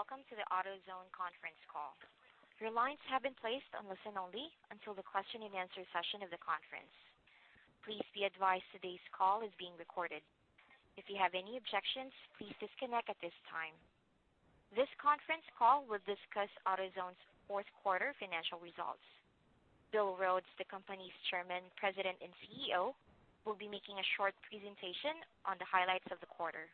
Welcome to the AutoZone conference call. Your lines have been placed on listen only until the question and answer session of the conference. Please be advised today's call is being recorded. If you have any objections, please disconnect at this time. This conference call will discuss AutoZone's fourth quarter financial results. Bill Rhodes, the company's Chairman, President, and CEO, will be making a short presentation on the highlights of the quarter.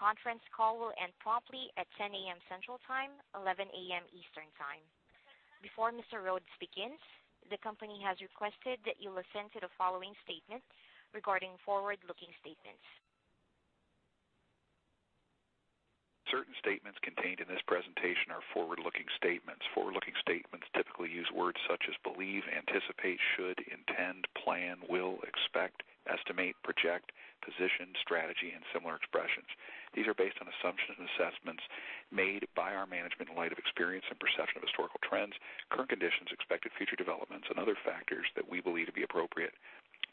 The conference call will end promptly at 10:00 A.M. Central Time, 11:00 A.M. Eastern Time. Before Mr. Rhodes begins, the company has requested that you listen to the following statement regarding forward-looking statements. Certain statements contained in this presentation are forward-looking statements. Forward-looking statements typically use words such as believe, anticipate, should, intend, plan, will, expect, estimate, project, position, strategy, and similar expressions. These are based on assumptions and assessments made by our management in light of experience and perception of historical trends, current conditions, expected future developments, and other factors that we believe to be appropriate.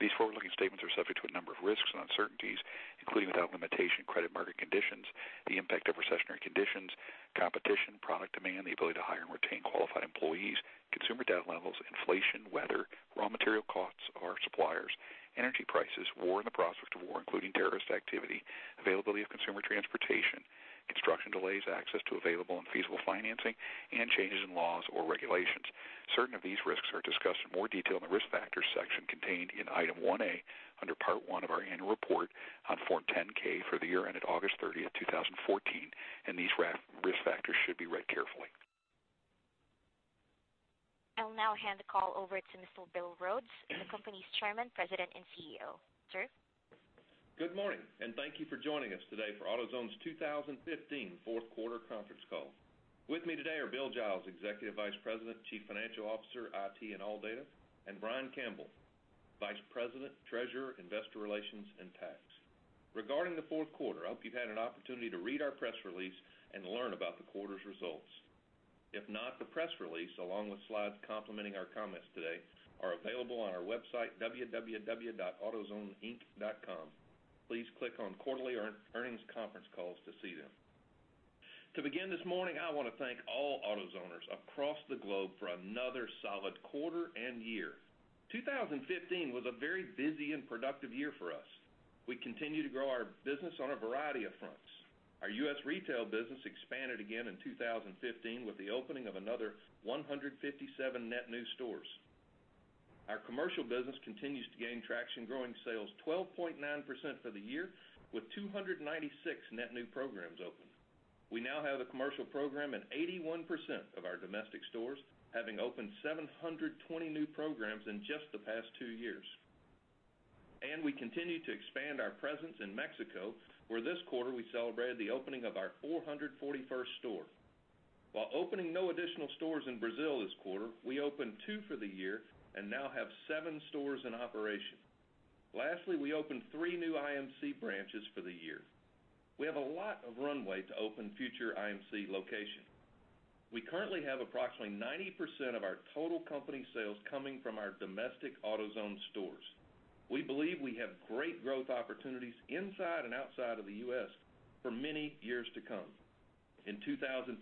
These forward-looking statements are subject to a number of risks and uncertainties, including without limitation, credit market conditions, the impact of recessionary conditions, competition, product demand, the ability to hire and retain qualified employees, consumer debt levels, inflation, weather, raw material costs of our suppliers, energy prices, war and the prospect of war, including terrorist activity, availability of consumer transportation, construction delays, access to available and feasible financing, and changes in laws or regulations. Certain of these risks are discussed in more detail in the Risk Factors section contained in Item 1A under Part One of our annual report on Form 10-K for the year ended August 30th, 2014. These risk factors should be read carefully. I'll now hand the call over to Mr. Bill Rhodes, the company's Chairman, President, and CEO. Sir? Good morning. Thank you for joining us today for AutoZone's 2015 fourth quarter conference call. With me today are Bill Giles, Executive Vice President, Chief Financial Officer, IT, and ALLDATA, and Brian Campbell, Vice President, Treasurer, Investor Relations, and Tax. Regarding the fourth quarter, I hope you've had an opportunity to read our press release and learn about the quarter's results. If not, the press release, along with slides complementing our comments today, are available on our website, autozoneinc.com. Please click on Quarterly Earnings Conference Calls to see them. To begin this morning, I want to thank all AutoZoners across the globe for another solid quarter and year. 2015 was a very busy and productive year for us. We continue to grow our business on a variety of fronts. Our U.S. retail business expanded again in 2015 with the opening of another 157 net new stores. Our commercial business continues to gain traction, growing sales 12.9% for the year with 296 net new programs opened. We now have a commercial program at 81% of our domestic stores, having opened 720 new programs in just the past two years. We continue to expand our presence in Mexico, where this quarter we celebrated the opening of our 441st store. While opening no additional stores in Brazil this quarter, we opened two for the year and now have seven stores in operation. Lastly, we opened three new IMC branches for the year. We have a lot of runway to open future IMC locations. We currently have approximately 90% of our total company sales coming from our domestic AutoZone stores. We believe we have great growth opportunities inside and outside of the U.S. for many years to come. In 2015,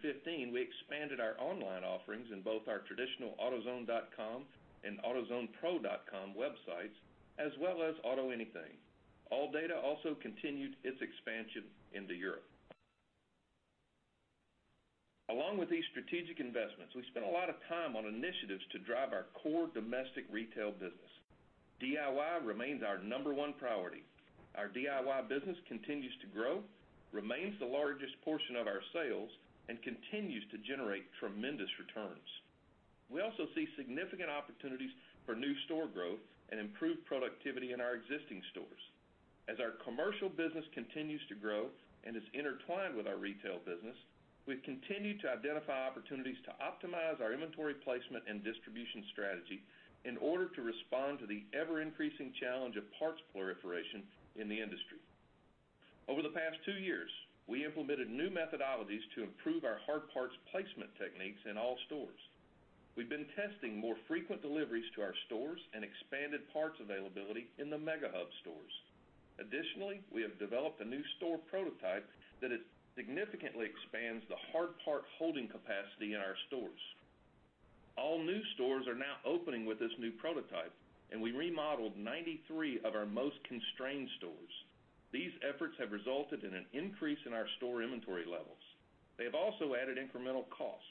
we expanded our online offerings in both our traditional autozone.com and autozonepro.com websites, as well as AutoAnything. ALLDATA also continued its expansion into Europe. Along with these strategic investments, we spent a lot of time on initiatives to drive our core domestic retail business. DIY remains our number one priority. Our DIY business continues to grow, remains the largest portion of our sales, and continues to generate tremendous returns. We also see significant opportunities for new store growth and improved productivity in our existing stores. As our commercial business continues to grow and is intertwined with our retail business, we've continued to identify opportunities to optimize our inventory placement and distribution strategy in order to respond to the ever-increasing challenge of parts proliferation in the industry. Over the past two years, we implemented new methodologies to improve our hard parts placement techniques in all stores. We've been testing more frequent deliveries to our stores and expanded parts availability in the Mega Hub stores. Additionally, we have developed a new store prototype that significantly expands the hard part holding capacity in our stores. All new stores are now opening with this new prototype. We remodeled 93 of our most constrained stores. These efforts have resulted in an increase in our store inventory levels. They have also added incremental costs.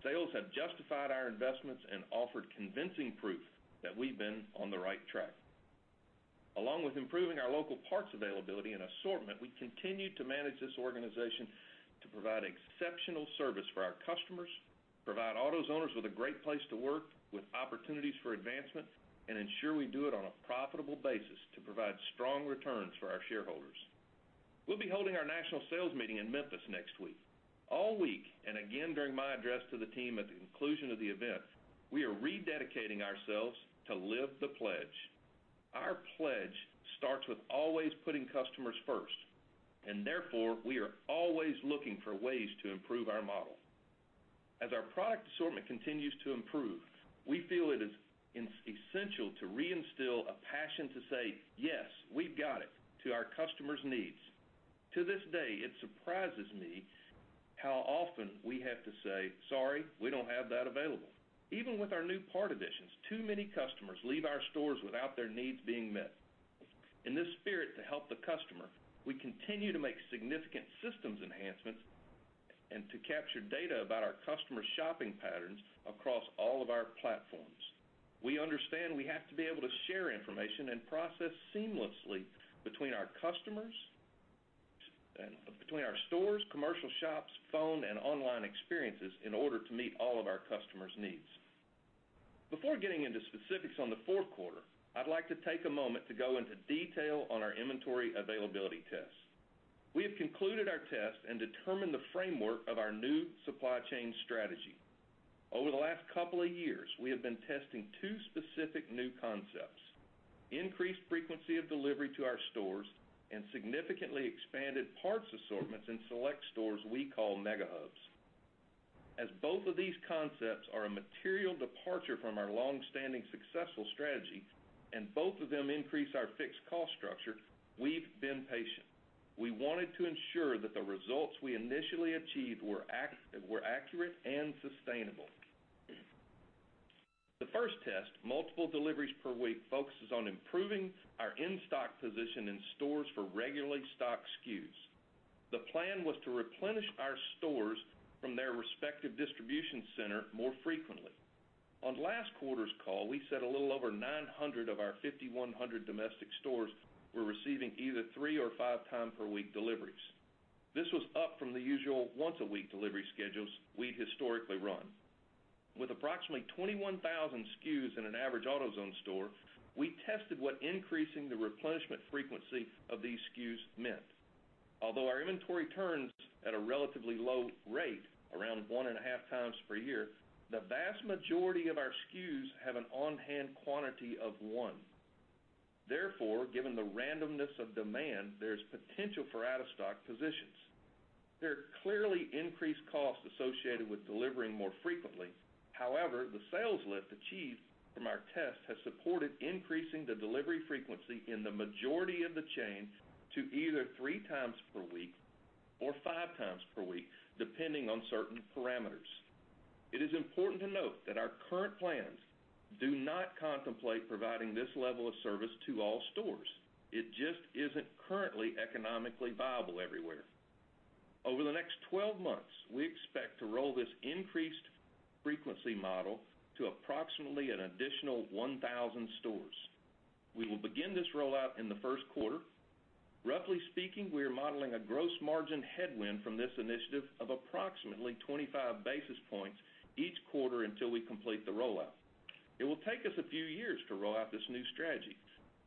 Sales have justified our investments and offered convincing proof that we've been on the right track. Along with improving our local parts availability and assortment, we continue to manage this organization to provide exceptional service for our customers, provide AutoZoners with a great place to work with opportunities for advancement, and ensure we do it on a profitable basis to provide strong returns for our shareholders. We'll be holding our national sales meeting in Memphis next week. All week, and again during my address to the team at the conclusion of the event, we are rededicating ourselves to live the pledge. Our pledge starts with always putting customers first. Therefore, we are always looking for ways to improve our model. As our product assortment continues to improve, we feel it is essential to reinstill a passion to say, "Yes, we've got it," to our customers' needs. To this day, it surprises me how often we have to say, "Sorry, we don't have that available." Even with our new part additions, too many customers leave our stores without their needs being met. In this spirit to help the customer, we continue to make significant systems enhancements and to capture data about our customers' shopping patterns across all of our platforms. We understand we have to be able to share information and process seamlessly between our customers, between our stores, commercial shops, phone, and online experiences in order to meet all of our customers' needs. Before getting into specifics on the fourth quarter, I'd like to take a moment to go into detail on our inventory availability test. We have concluded our test and determined the framework of our new supply chain strategy. Over the last couple of years, we have been testing two specific new concepts, increased frequency of delivery to our stores and significantly expanded parts assortments in select stores we call Mega Hubs. As both of these concepts are a material departure from our longstanding successful strategy, and both of them increase our fixed cost structure, we've been patient. We wanted to ensure that the results we initially achieved were accurate and sustainable. The first test, multiple deliveries per week, focuses on improving our in-stock position in stores for regularly stocked SKUs. The plan was to replenish our stores from their respective distribution center more frequently. On last quarter's call, we said a little over 900 of our 5,100 domestic stores were receiving either three or five times per week deliveries. This was up from the usual once-a-week delivery schedules we'd historically run. With approximately 21,000 SKUs in an average AutoZone store, we tested what increasing the replenishment frequency of these SKUs meant. Although our inventory turns at a relatively low rate, around one and a half times per year, the vast majority of our SKUs have an on-hand quantity of one. Therefore, given the randomness of demand, there's potential for out-of-stock positions. There are clearly increased costs associated with delivering more frequently. However, the sales lift achieved from our test has supported increasing the delivery frequency in the majority of the chain to either three times per week or five times per week, depending on certain parameters. It is important to note that our current plans do not contemplate providing this level of service to all stores. It just isn't currently economically viable everywhere. Over the next 12 months, we expect to roll this increased frequency model to approximately an additional 1,000 stores. We will begin this rollout in the first quarter. Roughly speaking, we are modeling a gross margin headwind from this initiative of approximately 25 basis points each quarter until we complete the rollout. It will take us a few years to roll out this new strategy,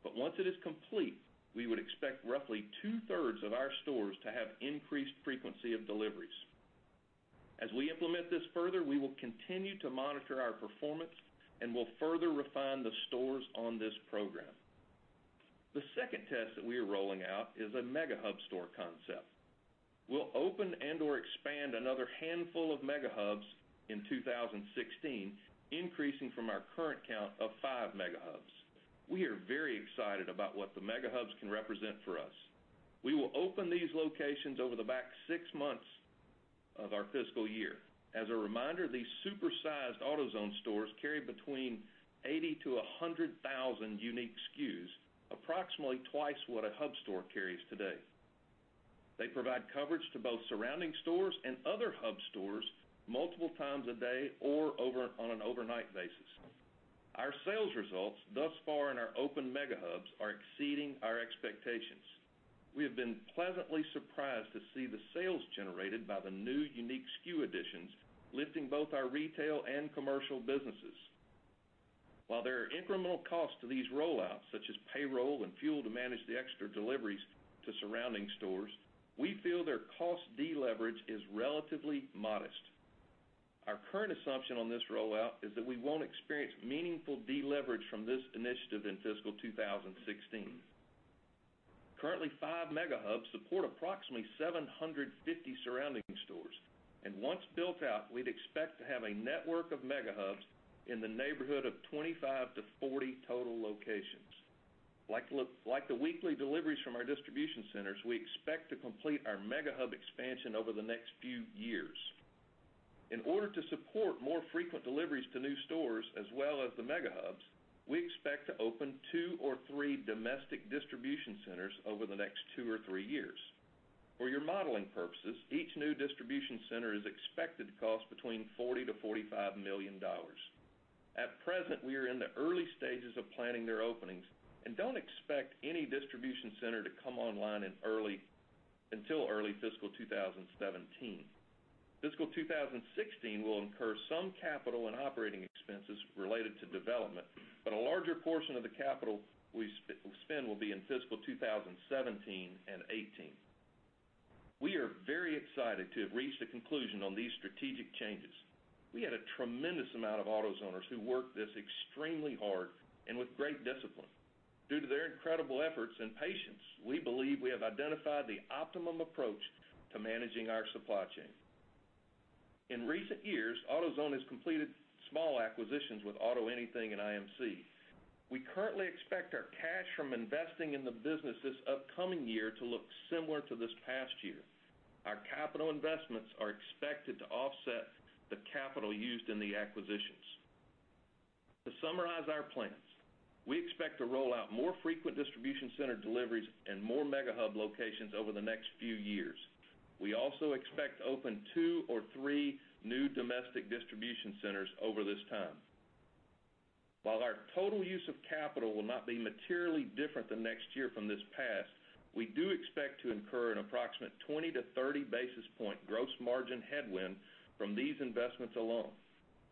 but once it is complete, we would expect roughly two-thirds of our stores to have increased frequency of deliveries. As we implement this further, we will continue to monitor our performance and will further refine the stores on this program. The second test that we are rolling out is a Mega Hub store concept. We'll open and/or expand another handful of Mega Hubs in 2016, increasing from our current count of five Mega Hubs. We are very excited about what the Mega Hubs can represent for us. We will open these locations over the back six months of our fiscal year. As a reminder, these super-sized AutoZone stores carry between 80,000-100,000 unique SKUs, approximately twice what a Hub Store carries today. They provide coverage to both surrounding stores and other Hub Stores multiple times a day or on an overnight basis. Our sales results thus far in our open Mega Hubs are exceeding our expectations. We have been pleasantly surprised to see the sales generated by the new unique SKU additions lifting both our retail and commercial businesses. While there are incremental costs to these rollouts, such as payroll and fuel to manage the extra deliveries to surrounding stores, we feel their cost deleverage is relatively modest. Our current assumption on this rollout is that we won't experience meaningful deleverage from this initiative in fiscal 2016. Currently, five Mega Hubs support approximately 750 surrounding stores, and once built out, we'd expect to have a network of Mega Hubs in the neighborhood of 25-40 total locations. Like the weekly deliveries from our distribution centers, we expect to complete our Mega Hub expansion over the next few years. In order to support more frequent deliveries to new stores as well as the Mega Hubs, we expect to open two or three domestic distribution centers over the next two or three years. For your modeling purposes, each new distribution center is expected to cost between $40 million-$45 million. At present, we are in the early stages of planning their openings and don't expect any distribution center to come online until early fiscal 2017. Fiscal 2016 will incur some capital and operating expenses related to development, but a larger portion of the capital we spend will be in fiscal 2017 and 2018. We are very excited to have reached a conclusion on these strategic changes. We had a tremendous amount of AutoZoners who worked this extremely hard and with great discipline. Due to their incredible efforts and patience, we believe we have identified the optimum approach to managing our supply chain. In recent years, AutoZone has completed small acquisitions with AutoAnything and IMC. We currently expect our cash from investing in the business this upcoming year to look similar to this past year. Our capital investments are expected to offset the capital used in the acquisitions. To summarize our plans, we expect to roll out more frequent distribution center deliveries and more Mega Hub locations over the next few years. We also expect to open two or three new domestic distribution centers over this time. While our total use of capital will not be materially different than next year from this past, we do expect to incur an approximate 20-30 basis point gross margin headwind from these investments alone.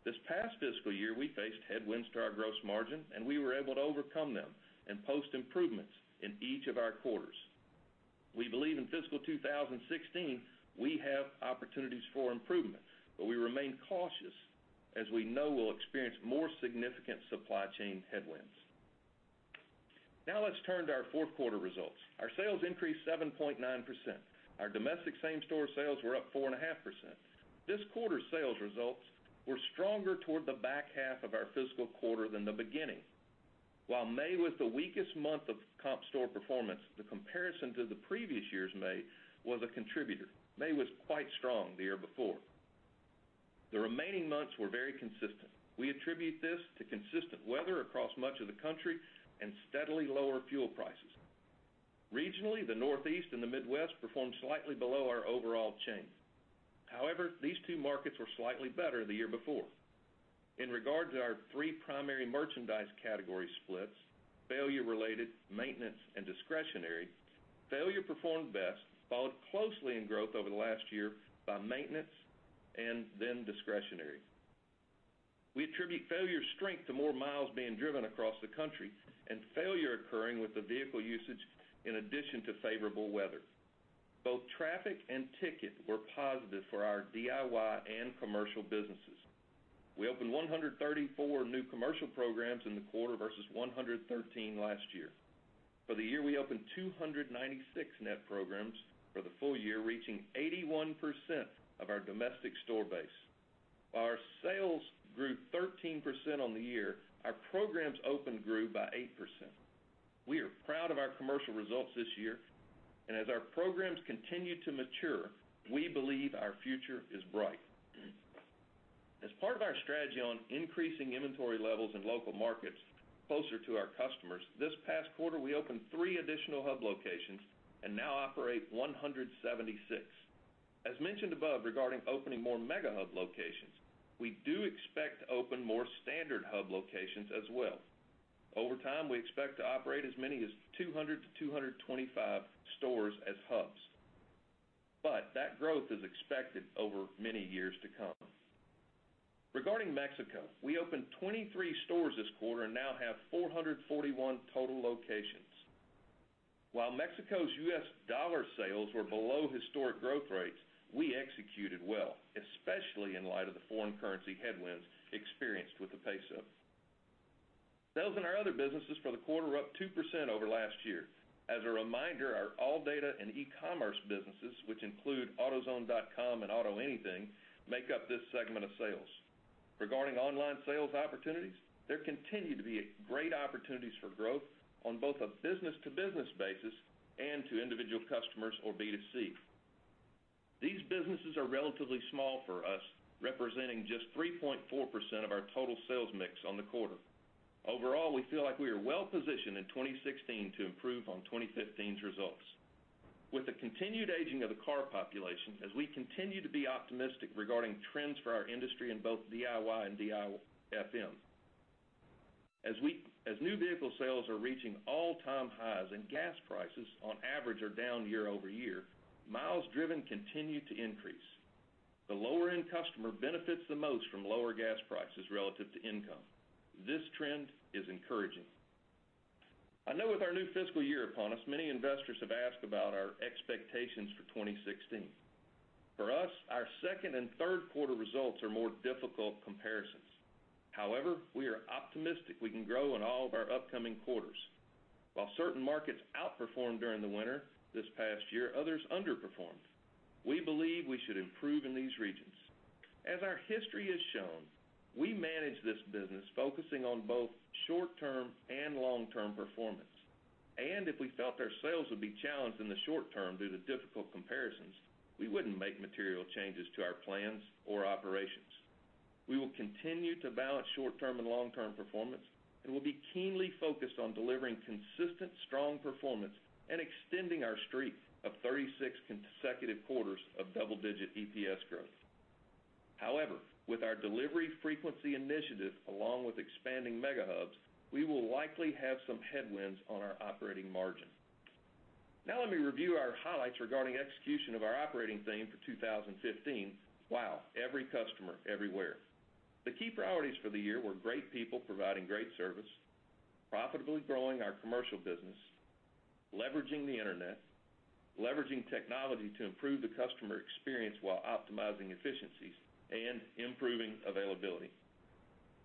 This past fiscal year, we faced headwinds to our gross margin, and we were able to overcome them and post improvements in each of our quarters. We believe in FY 2016, we have opportunities for improvement, we remain cautious as we know we'll experience more significant supply chain headwinds. Now let's turn to our fourth quarter results. Our sales increased 7.9%. Our domestic same-store sales were up 4.5%. This quarter's sales results were stronger toward the back half of our fiscal quarter than the beginning. While May was the weakest month of comp store performance, the comparison to the previous year's May was a contributor. May was quite strong the year before. The remaining months were very consistent. We attribute this to consistent weather across much of the country and steadily lower fuel prices. Regionally, the Northeast and the Midwest performed slightly below our overall chain. These two markets were slightly better the year before. In regard to our 3 primary merchandise category splits, failure related, maintenance, and discretionary, failure performed best, followed closely in growth over the last year by maintenance and then discretionary. We attribute failure strength to more miles being driven across the country and failure occurring with the vehicle usage in addition to favorable weather. Both traffic and ticket were positive for our DIY and commercial businesses. We opened 134 new commercial programs in the quarter versus 113 last year. For the year, we opened 296 net programs for the full year, reaching 81% of our domestic store base. While our sales grew 13% on the year, our programs open grew by 8%. We are proud of our commercial results this year, as our programs continue to mature, we believe our future is bright. As part of our strategy on increasing inventory levels in local markets closer to our customers, this past quarter, we opened 3 additional Hub locations and now operate 176. As mentioned above regarding opening more Mega Hub locations, we do expect to open more standard Hub locations as well. Over time, we expect to operate as many as 200-225 stores as Hubs. That growth is expected over many years to come. Regarding Mexico, we opened 23 stores this quarter and now have 441 total locations. While Mexico's U.S. dollar sales were below historic growth rates, we executed well, especially in light of the foreign currency headwinds experienced with the MXN. Sales in our other businesses for the quarter were up 2% over last year. As a reminder, our ALLDATA and e-commerce businesses, which include autozone.com and AutoAnything, make up this segment of sales. Regarding online sales opportunities, there continue to be great opportunities for growth on both a business-to-business basis and to individual customers or B2C. These businesses are relatively small for us, representing just 3.4% of our total sales mix on the quarter. Overall, we feel like we are well-positioned in 2016 to improve on 2015's results. With the continued aging of the car population, we continue to be optimistic regarding trends for our industry in both DIY and DIFM. New vehicle sales are reaching all-time highs and gas prices on average are down year-over-year, miles driven continue to increase. The lower-end customer benefits the most from lower gas prices relative to income. This trend is encouraging. I know with our new fiscal year upon us, many investors have asked about our expectations for 2016. For us, our second and third-quarter results are more difficult comparisons. However, we are optimistic we can grow in all of our upcoming quarters. While certain markets outperformed during the winter this past year, others underperformed. We believe we should improve in these regions. As our history has shown, we manage this business focusing on both short-term and long-term performance. If we felt our sales would be challenged in the short term due to difficult comparisons, we wouldn't make material changes to our plans or operations. We will continue to balance short-term and long-term performance, and we'll be keenly focused on delivering consistent, strong performance and extending our streak of 36 consecutive quarters of double-digit EPS growth. However, with our delivery frequency initiative, along with expanding Mega Hubs, we will likely have some headwinds on our operating margin. Let me review our highlights regarding execution of our operating theme for 2015. Wow. Every Customer, Everywhere. The key priorities for the year were Great People Providing Great Service, Profitably Growing Our Commercial Business, Leveraging the Internet, Leveraging Technology to Improve the Customer Experience While Optimizing Efficiencies, and Improving Availability.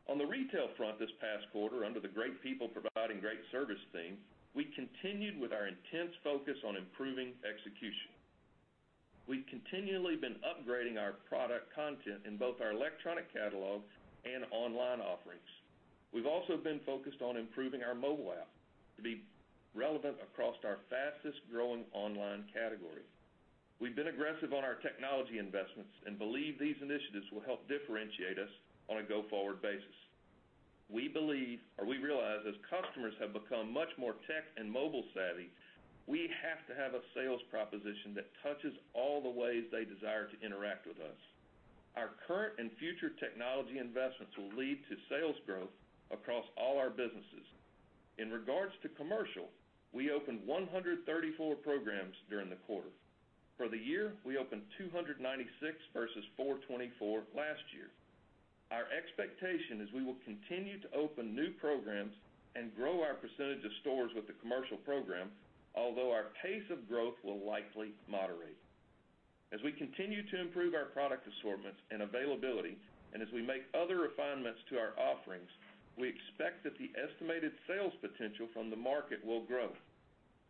On the retail front this past quarter, under the Great People Providing Great Service theme, we continued with our intense focus on improving execution. We've continually been upgrading our product content in both our electronic catalog and online offerings. We've also been focused on improving our mobile app to be relevant across our fastest-growing online category. We've been aggressive on our technology investments and believe these initiatives will help differentiate us on a go-forward basis. We realize as customers have become much more tech and mobile savvy, we have to have a sales proposition that touches all the ways they desire to interact with us. Our current and future technology investments will lead to sales growth across all our businesses. In regards to commercial, we opened 134 programs during the quarter. For the year, we opened 296 versus 424 last year. Our expectation is we will continue to open new programs and grow our percentage of stores with the commercial program, although our pace of growth will likely moderate. As we continue to improve our product assortments and availability, and as we make other refinements to our offerings, we expect that the estimated sales potential from the market will grow.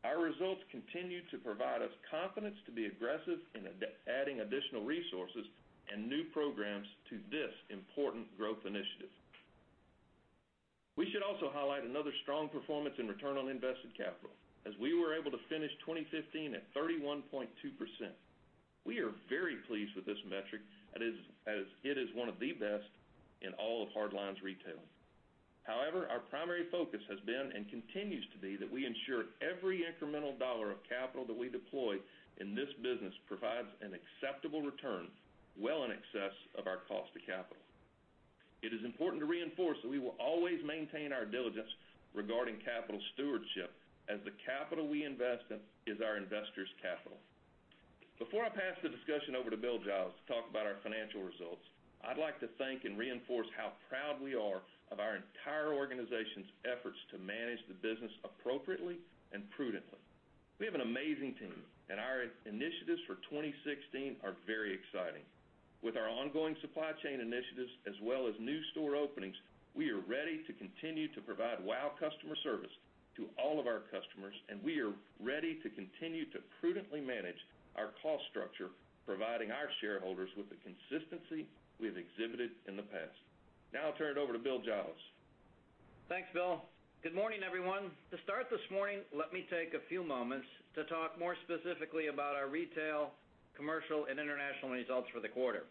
Our results continue to provide us confidence to be aggressive in adding additional resources and new programs to this important growth initiative. We should also highlight another strong performance in return on invested capital, as we were able to finish 2015 at 31.2%. We are very pleased with this metric as it is one of the best in all of hard lines retail. However, our primary focus has been and continues to be that we ensure every incremental dollar of capital that we deploy in this business provides an acceptable return well in excess of our cost of capital. It is important to reinforce that we will always maintain our diligence regarding capital stewardship, as the capital we invest is our investors' capital. Before I pass the discussion over to Bill Giles to talk about our financial results, I'd like to thank and reinforce how proud we are of our entire organization's efforts to manage the business appropriately and prudently. We have an amazing team. Our initiatives for 2016 are very exciting. With our ongoing supply chain initiatives as well as new store openings, we are ready to continue to provide wow customer service to all of our customers, we are ready to continue to prudently manage our cost structure, providing our shareholders with the consistency we have exhibited in the past. Now I'll turn it over to Bill Giles. Thanks, Bill. Good morning, everyone. To start this morning, let me take a few moments to talk more specifically about our retail, commercial, and international results for the quarter.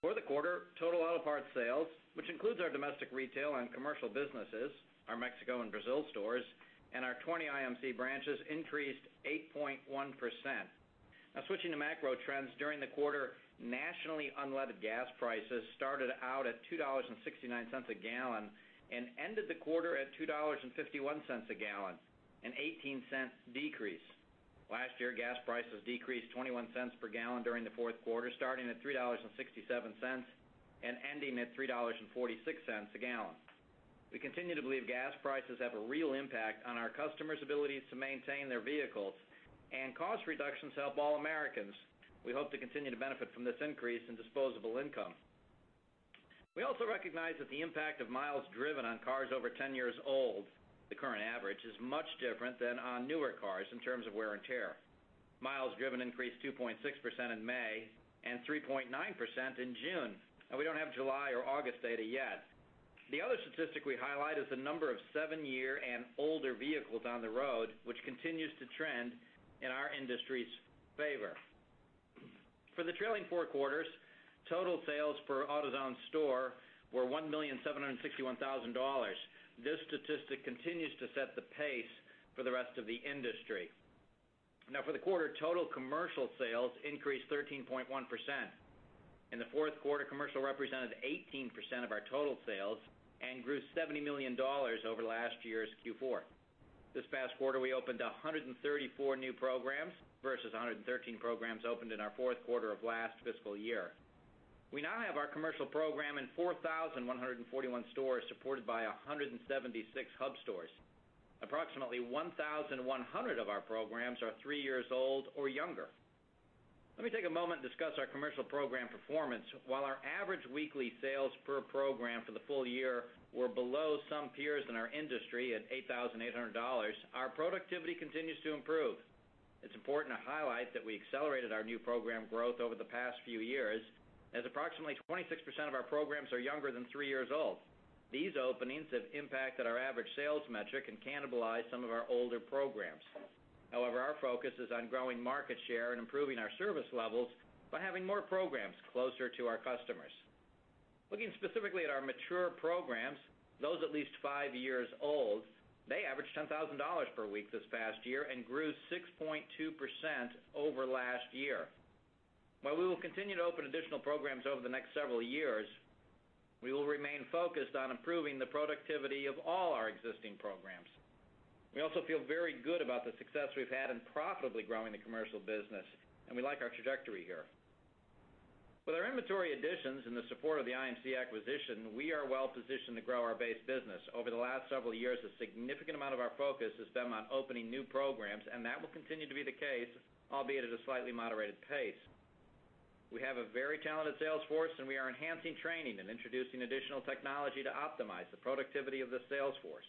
For the quarter, total auto parts sales, which includes our domestic retail and commercial businesses, our Mexico and Brazil stores, and our 20 IMC branches, increased 8.1%. Switching to macro trends, during the quarter, nationally unleaded gas prices started out at $2.69 a gallon and ended the quarter at $2.51 a gallon, an $0.18 decrease. Last year, gas prices decreased $0.21 per gallon during the fourth quarter, starting at $3.67 and ending at $3.46 a gallon. We continue to believe gas prices have a real impact on our customers' abilities to maintain their vehicles, cost reductions help all Americans. We hope to continue to benefit from this increase in disposable income. We also recognize that the impact of miles driven on cars over 10 years old, the current average, is much different than on newer cars in terms of wear and tear. Miles driven increased 2.6% in May and 3.9% in June. We don't have July or August data yet. The other statistic we highlight is the number of seven-year and older vehicles on the road, which continues to trend in our industry's favor. For the trailing four quarters, total sales per AutoZone store were $1,761,000. This statistic continues to set the pace for the rest of the industry. For the quarter, total commercial sales increased 13.1%. In the fourth quarter, commercial represented 18% of our total sales and grew $70 million over last year's Q4. This past quarter, we opened 134 new programs versus 113 programs opened in our fourth quarter of last fiscal year. We now have our commercial program in 4,141 stores, supported by 176 Hub Stores. Approximately 1,100 of our programs are three years old or younger. Let me take a moment to discuss our commercial program performance. While our average weekly sales per program for the full year were below some peers in our industry at $8,800, our productivity continues to improve. It's important to highlight that we accelerated our new program growth over the past few years, as approximately 26% of our programs are younger than three years old. These openings have impacted our average sales metric and cannibalized some of our older programs. Our focus is on growing market share and improving our service levels by having more programs closer to our customers. Looking specifically at our mature programs, those at least five years old, they averaged $10,000 per week this past year and grew 6.2% over last year. While we will continue to open additional programs over the next several years, we will remain focused on improving the productivity of all our existing programs. We also feel very good about the success we've had in profitably growing the commercial business. We like our trajectory here. With our inventory additions and the support of the IMC acquisition, we are well positioned to grow our base business. Over the last several years, a significant amount of our focus has been on opening new programs. That will continue to be the case, albeit at a slightly moderated pace. We have a very talented sales force. We are enhancing training and introducing additional technology to optimize the productivity of the sales force.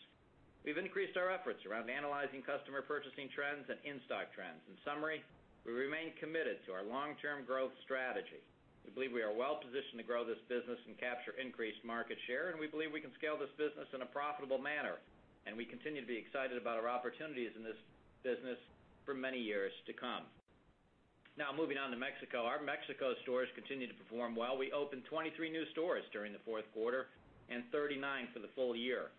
We've increased our efforts around analyzing customer purchasing trends and in-stock trends. In summary, we remain committed to our long-term growth strategy. We believe we are well positioned to grow this business and capture increased market share. We believe we can scale this business in a profitable manner. We continue to be excited about our opportunities in this business for many years to come. Now, moving on to Mexico. Our Mexico stores continue to perform well. We opened 23 new stores during the fourth quarter and 39 for the full year.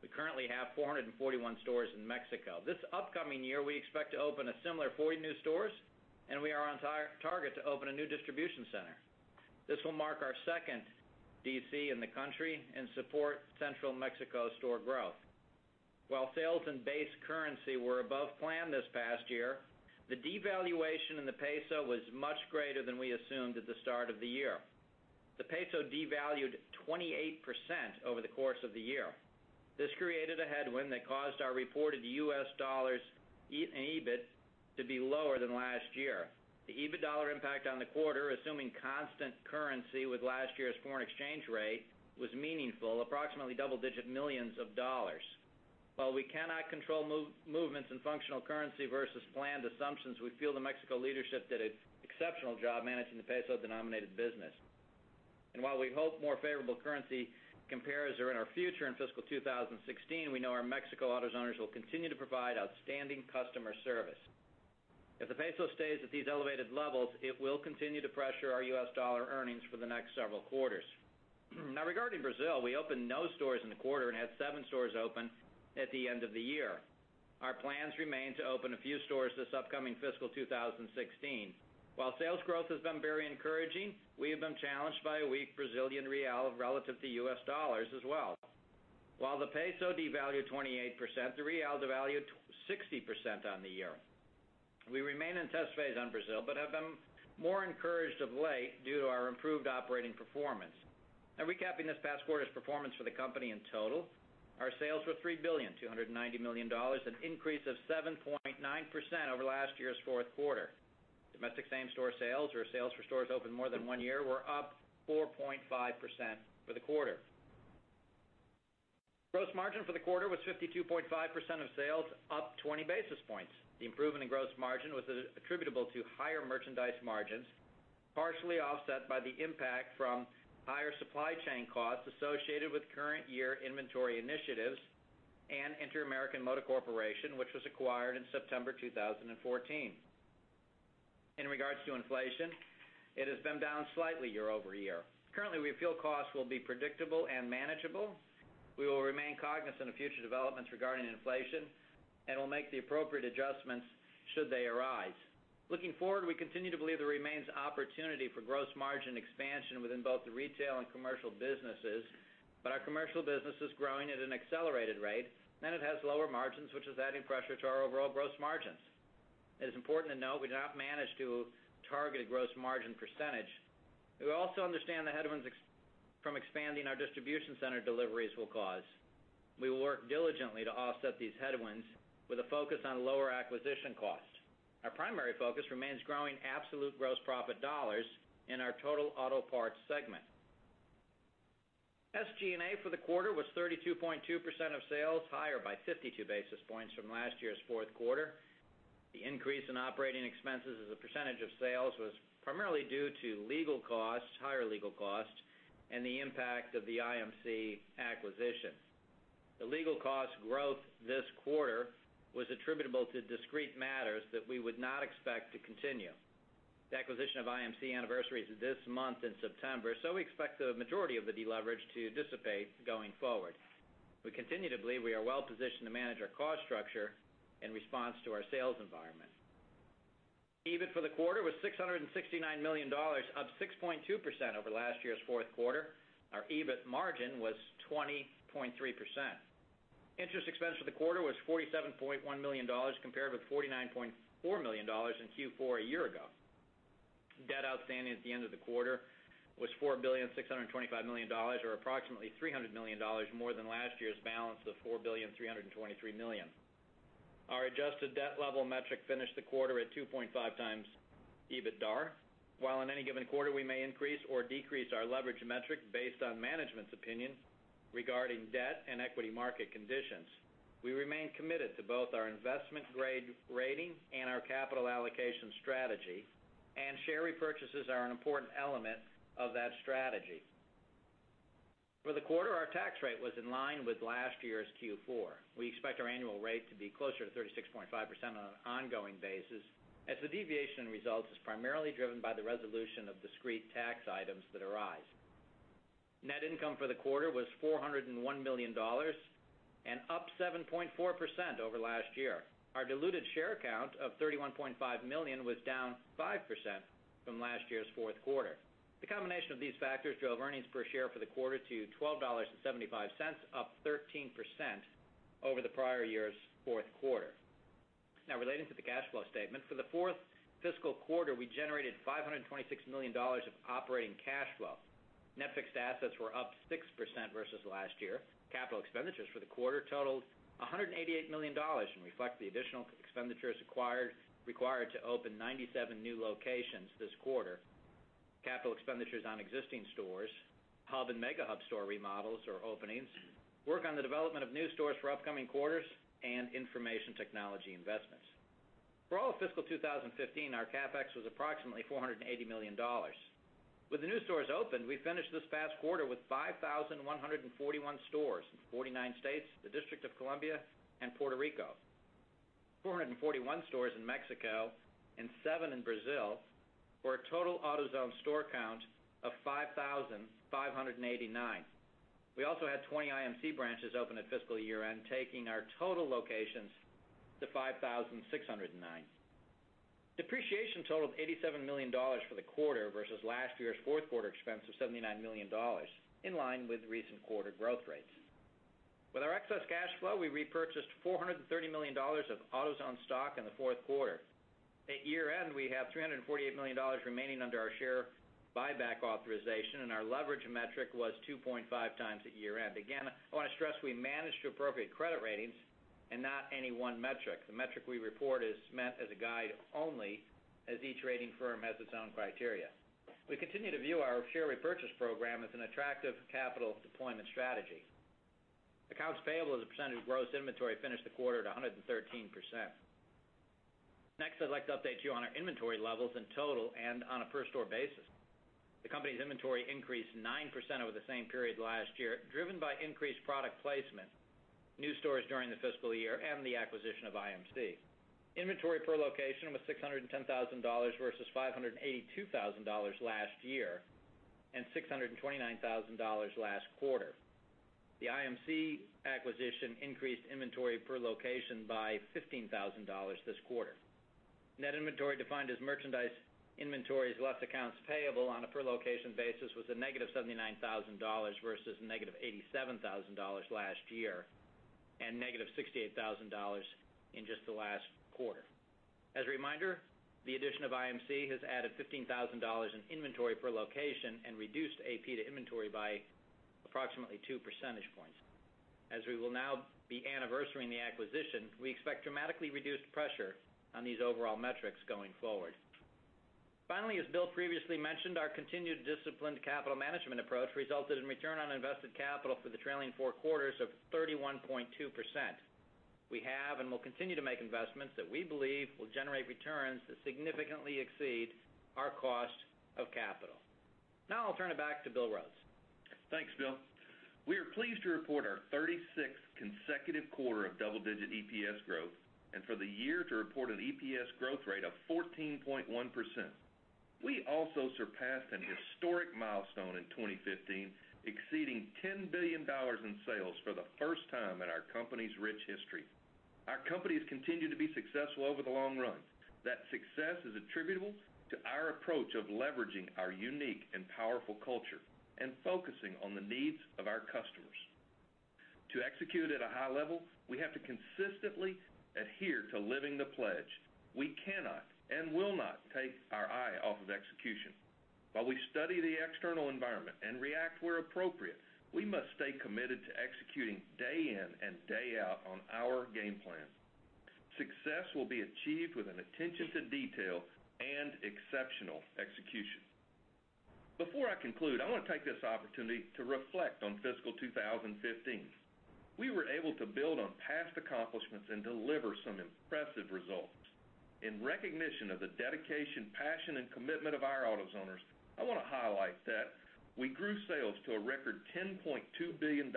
We currently have 441 stores in Mexico. This upcoming year, we expect to open a similar 40 new stores. We are on target to open a new distribution center. This will mark our second DC in the country and support central Mexico store growth. While sales and base currency were above plan this past year, the devaluation in the peso was much greater than we assumed at the start of the year. The peso devalued 28% over the course of the year. This created a headwind that caused our reported U.S. dollars in EBIT to be lower than last year. The EBIT dollar impact on the quarter, assuming constant currency with last year's foreign exchange rate, was meaningful, approximately double-digit millions of dollars. While we cannot control movements in functional currency versus planned assumptions, we feel the Mexico leadership did an exceptional job managing the peso-denominated business. While we hope more favorable currency compares are in our future in fiscal 2016, we know our Mexico AutoZoners will continue to provide outstanding customer service. If the peso stays at these elevated levels, it will continue to pressure our U.S. dollar earnings for the next several quarters. Now, regarding Brazil, we opened no stores in the quarter and had seven stores open at the end of the year. Our plans remain to open a few stores this upcoming fiscal 2016. While sales growth has been very encouraging, we have been challenged by a weak Brazilian real relative to U.S. dollars as well. While the peso devalued 28%, the real devalued 60% on the year. We remain in test phase on Brazil but have been more encouraged of late due to our improved operating performance. Now recapping this past quarter's performance for the company in total, our sales were $3,290 million, an increase of 7.9% over last year's fourth quarter. Domestic same-store sales or sales for stores open more than one year were up 4.5% for the quarter. Gross margin for the quarter was 52.5% of sales, up 20 basis points. The improvement in gross margin was attributable to higher merchandise margins, partially offset by the impact from higher supply chain costs associated with current year inventory initiatives and Interamerican Motor Corporation, which was acquired in September 2014. In regards to inflation, it has been down slightly year-over-year. Currently, we feel costs will be predictable and manageable. We will remain cognizant of future developments regarding inflation and will make the appropriate adjustments should they arise. Looking forward, we continue to believe there remains opportunity for gross margin expansion within both the retail and commercial businesses, but our commercial business is growing at an accelerated rate and it has lower margins, which is adding pressure to our overall gross margins. It is important to note we do not manage to a targeted gross margin percentage. We also understand the headwinds from expanding our distribution center deliveries will cause. We will work diligently to offset these headwinds with a focus on lower acquisition costs. Our primary focus remains growing absolute gross profit dollars in our total auto parts segment. SG&A for the quarter was 32.2% of sales, higher by 52 basis points from last year's fourth quarter. The increase in operating expenses as a percentage of sales was primarily due to higher legal costs and the impact of the IMC acquisition. The legal cost growth this quarter was attributable to discrete matters that we would not expect to continue. The acquisition of IMC anniversaries this month in September, so we expect the majority of the deleverage to dissipate going forward. We continue to believe we are well positioned to manage our cost structure in response to our sales environment. EBIT for the quarter was $669 million, up 6.2% over last year's fourth quarter. Our EBIT margin was 20.3%. Interest expense for the quarter was $47.1 million, compared with $49.4 million in Q4 a year ago. Debt outstanding at the end of the quarter was $4,625,000,000, or approximately $300 million more than last year's balance of $4,323,000,000. Our adjusted debt level metric finished the quarter at 2.5 times EBITDA. While in any given quarter, we may increase or decrease our leverage metric based on management's opinion regarding debt and equity market conditions, we remain committed to both our investment-grade rating and our capital allocation strategy, and share repurchases are an important element of that strategy. For the quarter, our tax rate was in line with last year's Q4. We expect our annual rate to be closer to 36.5% on an ongoing basis, as the deviation in results is primarily driven by the resolution of discrete tax items that arise. Net income for the quarter was $401 million and up 7.4% over last year. Our diluted share count of 31.5 million was down 5% from last year's fourth quarter. The combination of these factors drove earnings per share for the quarter to $12.75, up 13% over the prior year's fourth quarter. Relating to the cash flow statement. For the fourth fiscal quarter, we generated $526 million of operating cash flow. Net fixed assets were up 6% versus last year. Capital expenditures for the quarter totaled $188 million and reflect the additional expenditures required to open 97 new locations this quarter. Capital expenditures on existing stores, Hub Store and Mega Hub store remodels or openings, work on the development of new stores for upcoming quarters, and information technology investments. For all of fiscal 2015, our CapEx was approximately $480 million. With the new stores open, we finished this past quarter with 5,141 stores in 49 states, the District of Columbia, and Puerto Rico. 441 stores in Mexico and seven in Brazil, for a total AutoZone store count of 5,589. We also had 20 IMC branches open at fiscal year-end, taking our total locations to 5,609. Depreciation totaled $87 million for the quarter versus last year's fourth quarter expense of $79 million, in line with recent quarter growth rates. With our excess cash flow, we repurchased $430 million of AutoZone stock in the fourth quarter. At year-end, we have $348 million remaining under our share buyback authorization, and our leverage metric was 2.5 times at year-end. Again, I want to stress we manage to appropriate credit ratings and not any one metric. The metric we report is meant as a guide only as each rating firm has its own criteria. Accounts payable as a percentage of gross inventory finished the quarter at 113%. I'd like to update you on our inventory levels in total and on a per store basis. The company's inventory increased 9% over the same period last year, driven by increased product placement, new stores during the fiscal year, and the acquisition of IMC. Inventory per location was $610,000 versus $582,000 last year and $629,000 last quarter. The IMC acquisition increased inventory per location by $15,000 this quarter. Net inventory defined as merchandise inventories, less Accounts payable on a per location basis was -$79,000 versus -$87,000 last year and -$68,000 in just the last quarter. As a reminder, the addition of IMC has added $15,000 in inventory per location and reduced AP to inventory by approximately two percentage points. We will now be anniversarying the acquisition, we expect dramatically reduced pressure on these overall metrics going forward. As Bill previously mentioned, our continued disciplined capital management approach resulted in return on invested capital for the trailing four quarters of 31.2%. We have and will continue to make investments that we believe will generate returns that significantly exceed our cost of capital. I'll turn it back to Bill Rhodes. Thanks, Bill. We are pleased to report our 36th consecutive quarter of double-digit EPS growth. For the year to report an EPS growth rate of 14.1%. We also surpassed an historic milestone in 2015, exceeding $10 billion in sales for the first time in our company's rich history. Our company has continued to be successful over the long run. That success is attributable to our approach of leveraging our unique and powerful culture and focusing on the needs of our customers. To execute at a high level, we have to consistently adhere to living the pledge. We cannot and will not take our eye off of execution. While we study the external environment and react where appropriate, we must stay committed to executing day in and day out on our game plan. Success will be achieved with an attention to detail and exceptional execution. Before I conclude, I want to take this opportunity to reflect on fiscal 2015. We were able to build on past accomplishments and deliver some impressive results. In recognition of the dedication, passion and commitment of our AutoZoners, I want to highlight that we grew sales to a record $10.2 billion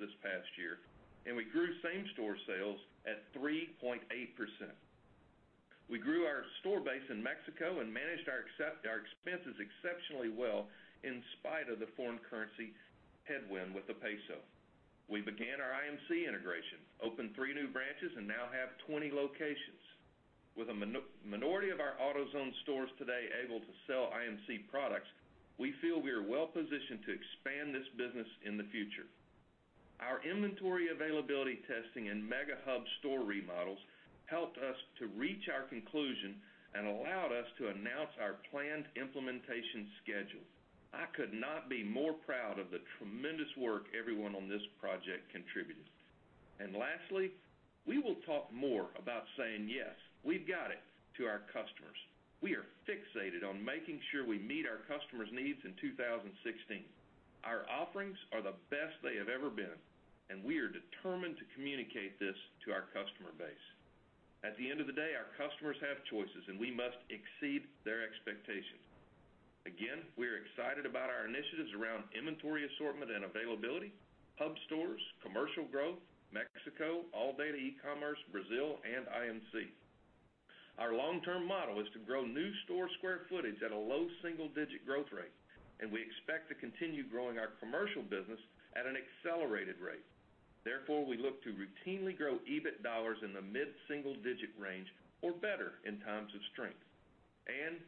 this past year, and we grew same store sales at 3.8%. We grew our store base in Mexico and managed our expenses exceptionally well in spite of the foreign currency headwind with the peso. We began our IMC integration, opened three new branches, and now have 20 locations. With a minority of our AutoZone stores today able to sell IMC products, we feel we are well-positioned to expand this business in the future. Our inventory availability testing and Mega Hub store remodels helped us to reach our conclusion and allowed us to announce our planned implementation schedule. I could not be more proud of the tremendous work everyone on this project contributed. Lastly, we will talk more about saying, "Yes, we've got it" to our customers. We are fixated on making sure we meet our customers' needs in 2016. Our offerings are the best they have ever been, and we are determined to communicate this to our customer base. At the end of the day, our customers have choices, and we must exceed their expectations. Again, we are excited about our initiatives around inventory assortment and availability, Hub Stores, commercial growth, Mexico, ALLDATA, e-commerce, Brazil, and IMC. Our long-term model is to grow new store square footage at a low single-digit growth rate, and we expect to continue growing our commercial business at an accelerated rate. We look to routinely grow EBIT dollars in the mid-single digit range or better in times of strength.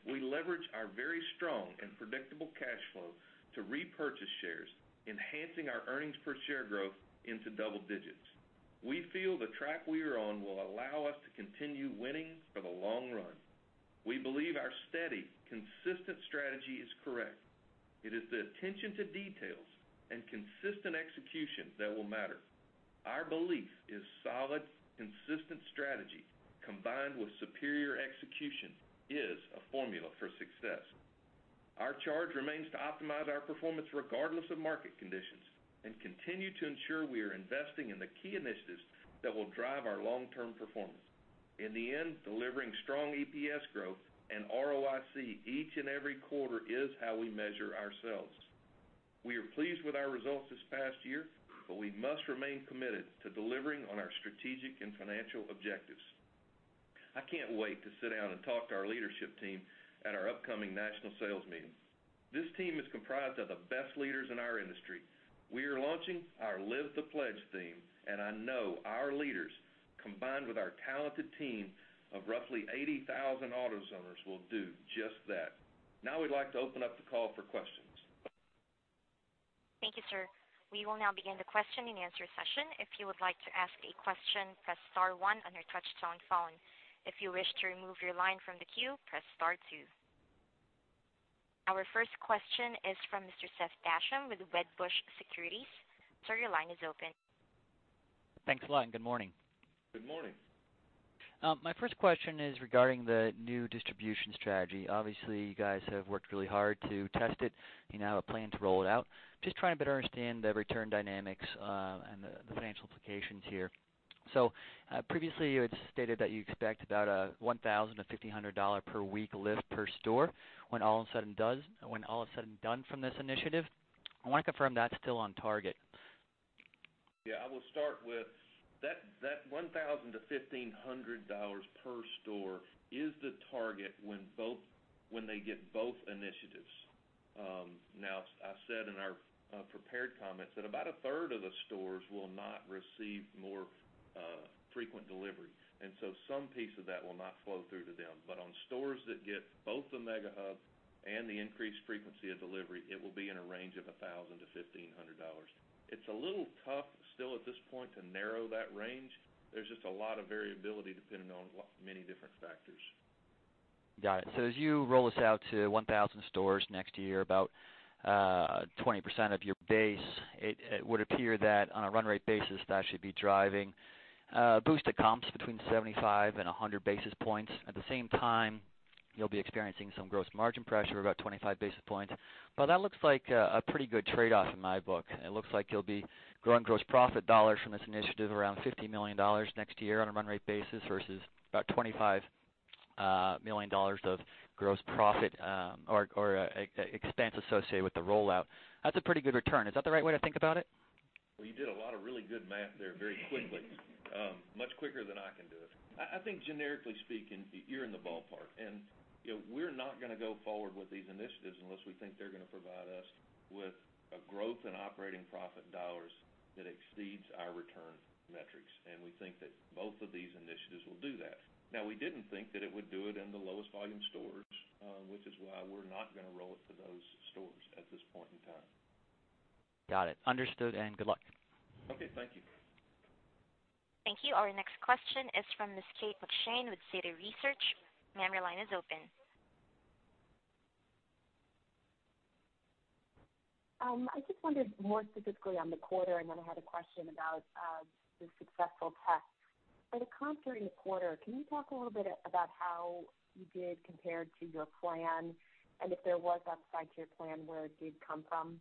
We leverage our very strong and predictable cash flow to repurchase shares, enhancing our EPS growth into double digits. We feel the track we are on will allow us to continue winning for the long run. We believe our steady, consistent strategy is correct. It is the attention to details and consistent execution that will matter. Our belief is solid, consistent strategy combined with superior execution is a formula for success. Our charge remains to optimize our performance regardless of market conditions and continue to ensure we are investing in the key initiatives that will drive our long-term performance. In the end, delivering strong EPS growth and ROIC each and every quarter is how we measure ourselves. We are pleased with our results this past year, but we must remain committed to delivering on our strategic and financial objectives. I can't wait to sit down and talk to our leadership team at our upcoming national sales meeting. This team is comprised of the best leaders in our industry. We are launching our Live the Pledge theme, and I know our leaders, combined with our talented team of roughly 80,000 AutoZoners, will do just that. Now we'd like to open up the call for questions. Thank you, sir. We will now begin the question and answer session. If you would like to ask a question, press star one on your touchtone phone. If you wish to remove your line from the queue, press star two. Our first question is from Mr. Seth Basham with Wedbush Securities. Sir, your line is open. Thanks a lot. Good morning. Good morning. My first question is regarding the new distribution strategy. Obviously, you guys have worked really hard to test it. You now have a plan to roll it out. Just trying to better understand the return dynamics and the financial implications here. Previously, you had stated that you expect about a $1,000-$1,500 per week lift per store when all is said and done from this initiative. I want to confirm that's still on target. Yeah, I will start with that $1,000 to $1,500 per store is the target when they get both initiatives. I said in our prepared comments that about a third of the stores will not receive more frequent delivery. Some piece of that will not flow through to them. On stores that get both the Mega Hub and the increased frequency of delivery, it will be in a range of $1,000 to $1,500. It's a little tough still at this point to narrow that range. There's just a lot of variability depending on many different factors. Got it. As you roll this out to 1,000 stores next year, about 20% of your base, it would appear that on a run rate basis, that should be driving a boost to comps between 75 and 100 basis points. At the same time, you'll be experiencing some gross margin pressure of about 25 basis points. That looks like a pretty good trade-off in my book. It looks like you'll be growing gross profit dollars from this initiative around $50 million next year on a run rate basis versus about $25 million of gross profit or expense associated with the rollout. That's a pretty good return. Is that the right way to think about it? Well, you did a lot of really good math there very quickly. Much quicker than I can do it. I think generically speaking, you're in the ballpark, we're not going to go forward with these initiatives unless we think they're going to provide us with a growth in operating profit dollars that exceeds our return metrics. We think that both of these initiatives will do that. We didn't think that it would do it in the lowest volume stores, which is why we're not going to roll it to those stores at this point in time. Got it. Understood, good luck. Okay, thank you. Thank you. Our next question is from Ms. Kate McShane with Citi Research. Ma'am, your line is open. I just wondered more specifically on the quarter, and then I had a question about the successful test. On the comp during the quarter, can you talk a little bit about how you did compared to your plan and if there was upside to your plan, where it did come from?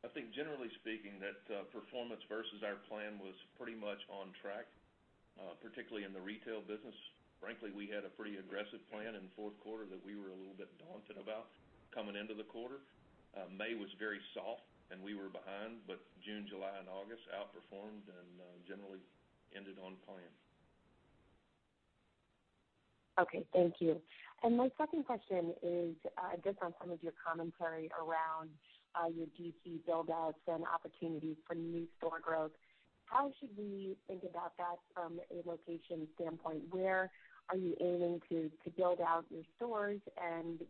I think generally speaking, that performance versus our plan was pretty much on track, particularly in the retail business. Frankly, we had a pretty aggressive plan in the fourth quarter that we were a little bit daunted about coming into the quarter. May was very soft, and we were behind, but June, July, and August outperformed and generally ended on plan. Okay, thank you. My second question is just on some of your commentary around your DC build-outs and opportunities for new store growth. How should we think about that from a location standpoint? Where are you aiming to build out your stores?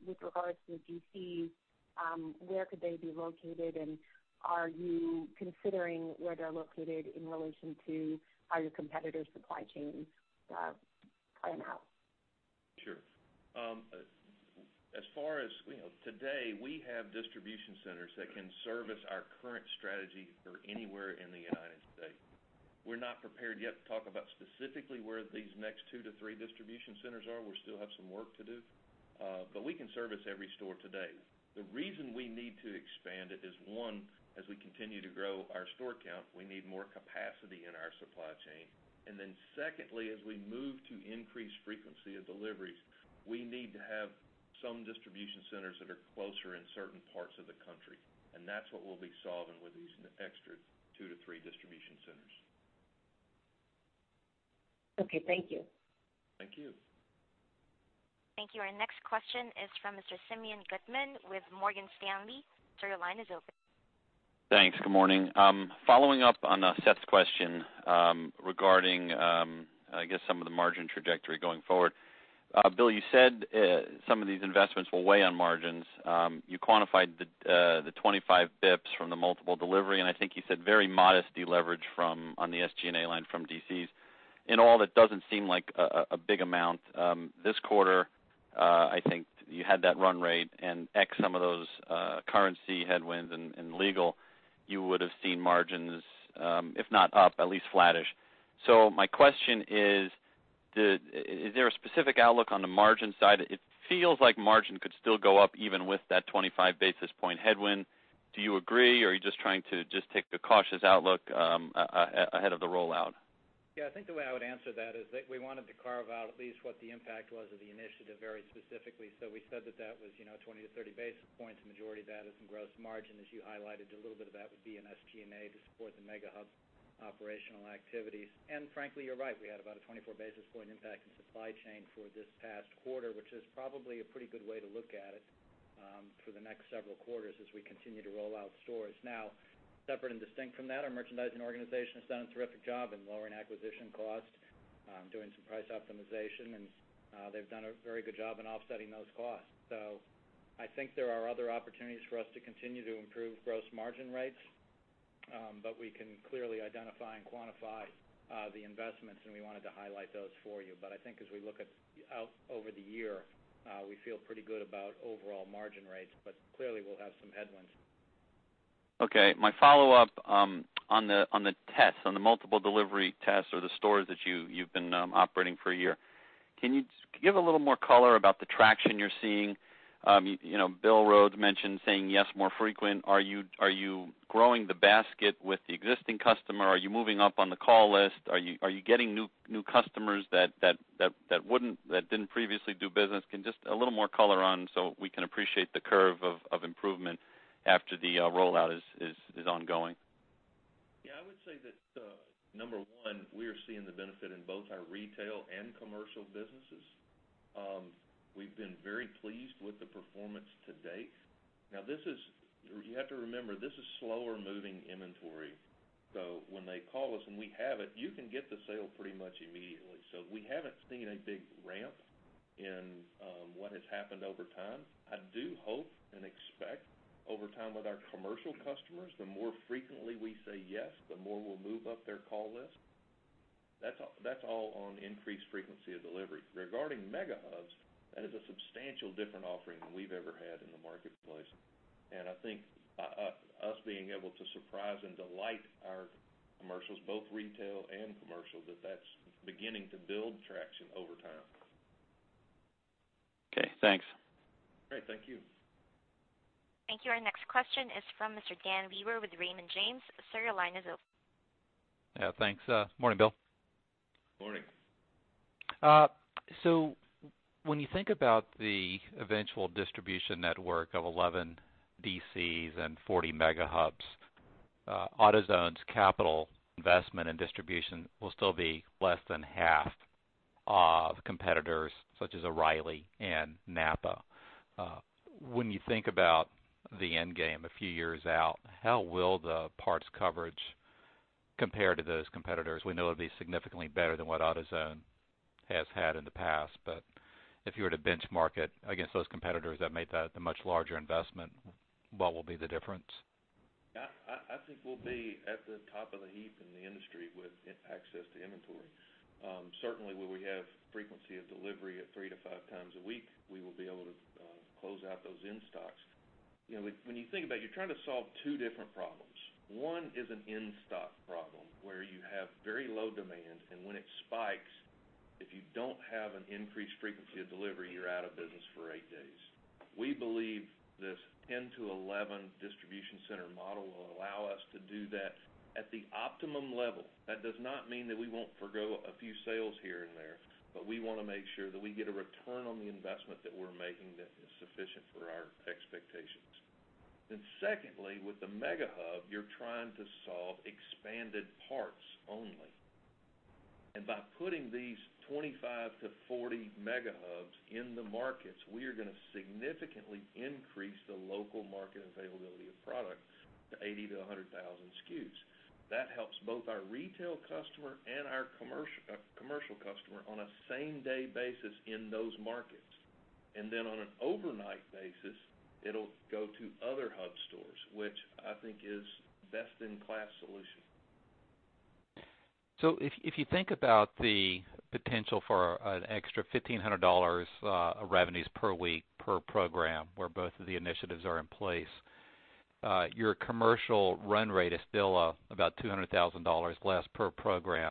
With regards to the DCs, where could they be located? Are you considering where they're located in relation to how your competitors' supply chain plan out? Sure. As far as we know today, we have distribution centers that can service our current strategy for anywhere in the U.S. We're not prepared yet to talk about specifically where these next two to three distribution centers are. We still have some work to do. We can service every store today. The reason we need to expand it is, one, as we continue to grow our store count, we need more capacity in our supply chain. Secondly, as we move to increased frequency of deliveries, we need to have some distribution centers that are closer in certain parts of the country. That's what we'll be solving with these extra two to three distribution centers. Okay, thank you. Thank you. Thank you. Our next question is from Mr. Simeon Gutman with Morgan Stanley. Sir, your line is open. Thanks. Good morning. Following up on Seth's question regarding some of the margin trajectory going forward. Bill, you said some of these investments will weigh on margins. You quantified the 25 basis points from the multiple delivery, and I think you said very modest deleverage on the SG&A line from DCs. In all, that doesn't seem like a big amount. This quarter, I think you had that run rate and X some of those currency headwinds and legal, you would have seen margins if not up, at least flattish. My question is there a specific outlook on the margin side? It feels like margin could still go up even with that 25 basis point headwind. Do you agree? Are you just trying to just take the cautious outlook ahead of the rollout? Yeah, I think the way I would answer that is that we wanted to carve out at least what the impact was of the initiative very specifically. We said that was 20 to 30 basis points. The majority of that is in gross margin. As you highlighted, a little bit of that would be in SG&A to support the Mega Hub operational activities. Frankly, you're right. We had about a 24 basis point impact in supply chain for this past quarter, which is probably a pretty good way to look at it for the next several quarters as we continue to roll out stores. Separate and distinct from that, our merchandising organization has done a terrific job in lowering acquisition cost, doing some price optimization, and they've done a very good job in offsetting those costs. I think there are other opportunities for us to continue to improve gross margin rates, we can clearly identify and quantify the investments, we wanted to highlight those for you. I think as we look out over the year, we feel pretty good about overall margin rates, clearly, we'll have some headwinds. Okay. My follow-up on the tests, on the multiple delivery tests or the stores that you've been operating for a year. Can you give a little more color about the traction you're seeing? Bill Rhodes mentioned saying yes more frequent. Are you growing the basket with the existing customer? Are you moving up on the call list? Are you getting new customers that didn't previously do business? Just a little more color on so we can appreciate the curve of improvement after the rollout is ongoing. Yeah, I would say that number one, we are seeing the benefit in both our retail and commercial businesses. We've been very pleased with the performance to date. You have to remember, this is slower moving inventory. When they call us and we have it, you can get the sale pretty much immediately. We haven't seen a big ramp in what has happened over time. I do hope and expect over time with our commercial customers, the more frequently we say yes, the more we'll move up their call list. That's all on increased frequency of delivery. Regarding Mega Hubs, that is a substantial different offering than we've ever had in the marketplace. I think us being able to surprise and delight our commercials, both retail and commercial, that's beginning to build traction over time. Okay, thanks. Great. Thank you. Thank you. Our next question is from Mr. Dan Wewer with Raymond James. Sir, your line is open. Yeah, thanks. Morning, Bill. Morning. When you think about the eventual distribution network of 11 DCs and 40 Mega Hubs, AutoZone's capital investment and distribution will still be less than half of competitors such as O'Reilly and NAPA. When you think about the end game a few years out, how will the parts coverage compare to those competitors? We know it'll be significantly better than what AutoZone has had in the past, but if you were to benchmark it against those competitors that made that a much larger investment, what will be the difference? I think we'll be at the top of the heap in the industry with access to inventory. Certainly, where we have frequency of delivery at three to five times a week, we will be able to close out those in-stocks. When you think about it, you're trying to solve two different problems. One is an in-stock problem where you have very low demand, and when it spikes, if you don't have an increased frequency of delivery, you're out of business for eight days. We believe this 10 to 11 distribution center model will allow us to do that at the optimum level. That does not mean that we won't forgo a few sales here and there, but we want to make sure that we get a return on the investment that we're making that is sufficient for our expectations. Secondly, with the Mega Hub, you're trying to solve expanded parts only. By putting these 25-40 Mega Hubs in the markets, we are going to significantly increase the local market availability of product to 80,000-100,000 SKUs. That helps both our retail customer and our commercial customer on a same-day basis in those markets. On an overnight basis, it'll go to other Hub Stores, which I think is best-in-class solution. If you think about the potential for an extra $1,500 of revenues per week per program where both of the initiatives are in place, your commercial run rate is still about $200,000 less per program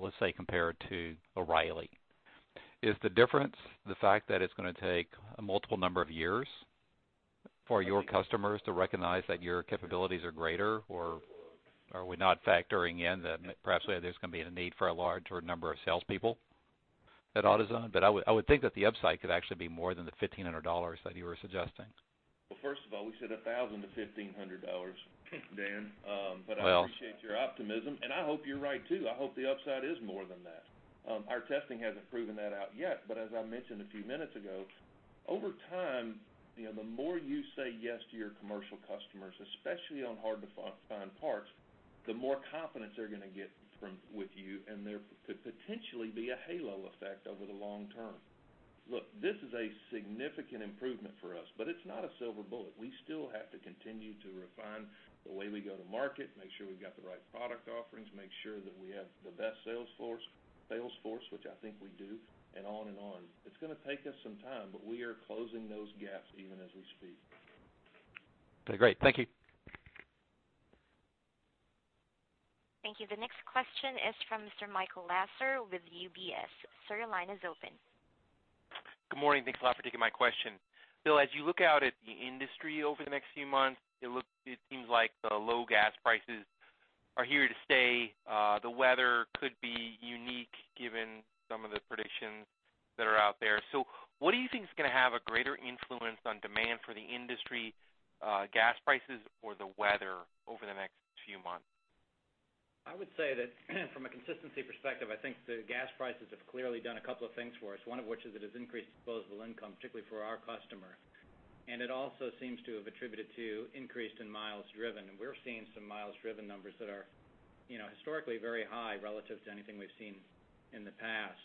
let's say compared to O'Reilly. Is the difference the fact that it's going to take a multiple number of years for your customers to recognize that your capabilities are greater, or are we not factoring in that perhaps there's going to be a need for a larger number of salespeople at AutoZone? I would think that the upside could actually be more than the $1,500 that you were suggesting. Well, first of all, we said $1,000-$1,500, Dan. Well. I appreciate your optimism, and I hope you're right, too. I hope the upside is more than that. Our testing hasn't proven that out yet. As I mentioned a few minutes ago, over time, the more you say yes to your commercial customers, especially on hard-to-find parts, the more confidence they're going to get with you, and there could potentially be a halo effect over the long term. Look, this is a significant improvement for us, but it's not a silver bullet. We still have to continue to refine the way we go to market, make sure we've got the right product offerings, make sure that we have the best sales force, which I think we do, and on and on. It's going to take us some time, but we are closing those gaps even as we speak. Okay, great. Thank you. Thank you. The next question is from Mr. Michael Lasser with UBS. Sir, your line is open. Good morning. Thanks a lot for taking my question. Bill, as you look out at the industry over the next few months, it seems like the low gas prices are here to stay. The weather could be unique given some of the predictions that are out there. What do you think is going to have a greater influence on demand for the industry, gas prices or the weather over the next few months? I would say that from a consistency perspective, I think the gas prices have clearly done a couple of things for us, one of which is it has increased disposable income, particularly for our customer. It also seems to have attributed to increase in miles driven. We're seeing some miles driven numbers that are historically very high relative to anything we've seen in the past.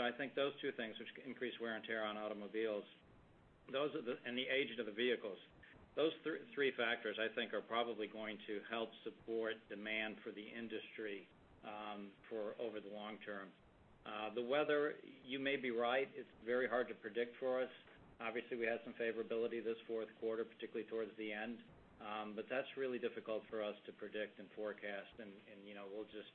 I think those two things, which increase wear and tear on automobiles, and the age of the vehicles, those three factors I think are probably going to help support demand for the industry over the long term. The weather, you may be right, it's very hard to predict for us. Obviously, we had some favorability this fourth quarter, particularly towards the end. That's really difficult for us to predict and forecast, and we'll just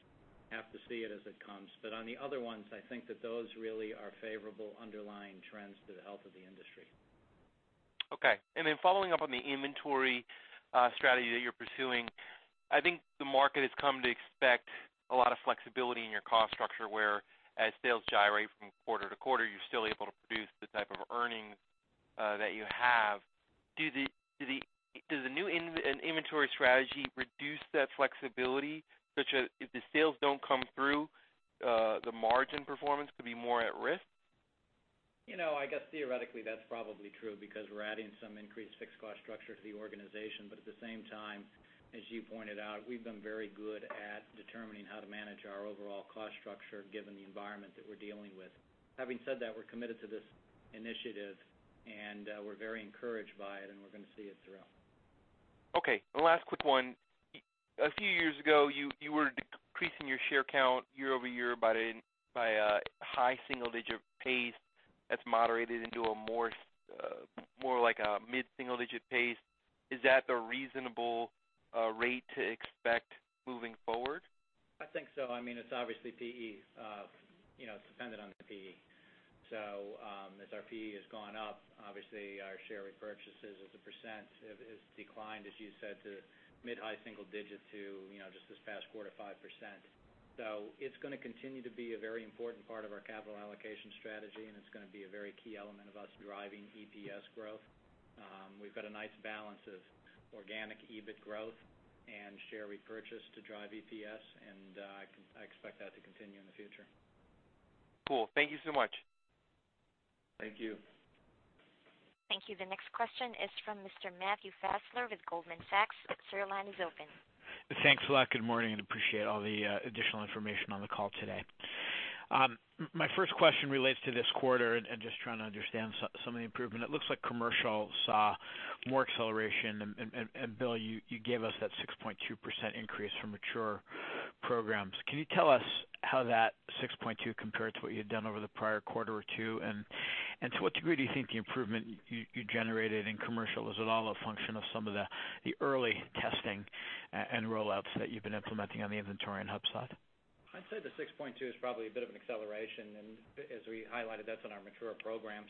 have to see it as it comes. On the other ones, I think that those really are favorable underlying trends to the health of the industry. Okay. Following up on the inventory strategy that you're pursuing, I think the market has come to expect a lot of flexibility in your cost structure where as sales gyrate from quarter to quarter, you're still able to produce the type of earnings that you have. Does the new inventory strategy reduce that flexibility such as if the sales don't come through, the margin performance could be more at risk? I guess theoretically that's probably true because we're adding some increased fixed cost structure to the organization. At the same time, as you pointed out, we've been very good at determining how to manage our overall cost structure given the environment that we're dealing with. Having said that, we're committed to this initiative and we're very encouraged by it and we're going to see it through. Okay. Last quick one. A few years ago, you were decreasing your share count year-over-year by a high single-digit pace that's moderated into a more like a mid-single-digit pace. Is that the reasonable rate to expect moving forward? I think so. It's obviously PE. It's dependent on the PE. As our PE has gone up, obviously our share repurchases as a percent has declined, as you said, to mid high single digits to just this past quarter, 5%. It's going to continue to be a very important part of our capital allocation strategy and it's going to be a very key element of us driving EPS growth. We've got a nice balance of organic EBIT growth and share repurchase to drive EPS, and I expect that to continue in the future. Cool. Thank you so much. Thank you. Thank you. The next question is from Mr. Matthew Fassler with Goldman Sachs. Sir, your line is open. Thanks a lot. Good morning. I appreciate all the additional information on the call today. My first question relates to this quarter and just trying to understand some of the improvement. It looks like commercial saw more acceleration, Bill, you gave us that 6.2% increase from mature programs. Can you tell us how that 6.2% compared to what you had done over the prior quarter or two? To what degree do you think the improvement you generated in commercial, is it all a function of some of the early testing and rollouts that you've been implementing on the inventory and hub side? I'd say the 6.2% is probably a bit of an acceleration, as we highlighted, that's on our mature program.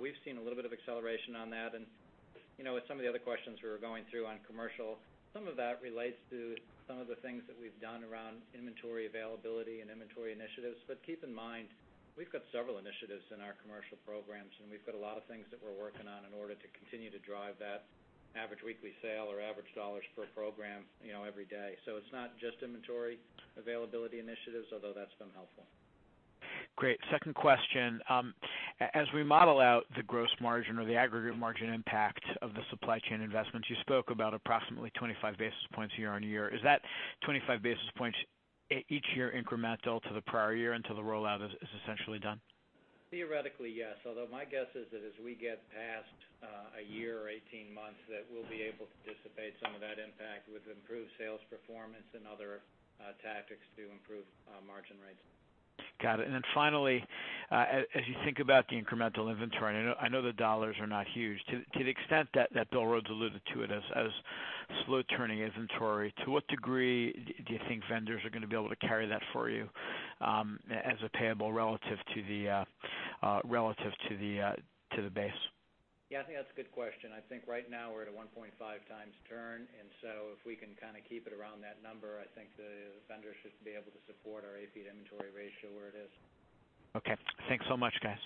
We've seen a little bit of acceleration on that. With some of the other questions we were going through on commercial, some of that relates to some of the things that we've done around inventory availability and inventory initiatives. Keep in mind, we've got several initiatives in our commercial programs and we've got a lot of things that we're working on in order to continue to drive that average weekly sale or average dollars per program every day. It's not just inventory availability initiatives although that's been helpful. Great. Second question. As we model out the gross margin or the aggregate margin impact of the supply chain investments, you spoke about approximately 25 basis points year-over-year. Is that 25 basis points each year incremental to the prior year until the rollout is essentially done? Theoretically, yes. Although my guess is that as we get past a year or 18 months, that we'll be able to dissipate some of that impact with improved sales performance and other tactics to improve margin rates. Got it. Finally, as you think about the incremental inventory, I know the dollars are not huge. To the extent that Bill Rhodes alluded to it as slow turning inventory, to what degree do you think vendors are going to be able to carry that for you as a payable relative to the base? Yeah, I think that's a good question. I think right now we're at a 1.5 times turn, so if we can kind of keep it around that number, I think the vendors should be able to support our AP inventory ratio where it is. Okay. Thanks so much, guys.